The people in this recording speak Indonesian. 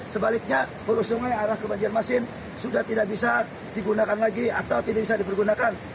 sebaliknya hulu sungai arah ke banjarmasin sudah tidak bisa digunakan lagi atau tidak bisa dipergunakan